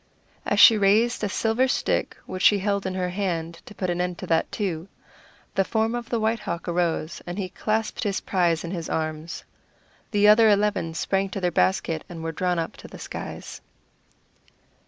As she raised a silver stick which she held in her hand to put an end to that, too, the form of the White Hawk arose, and he clasped his prize in his arms. The other eleven sprang to their basket, and were drawn up to the skies.